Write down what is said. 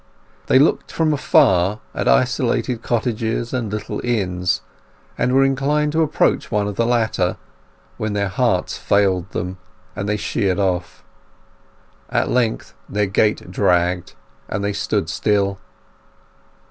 They looked from afar at isolated cottages and little inns, and were inclined to approach one of the latter, when their hearts failed them, and they sheered off. At length their gait dragged, and they stood still.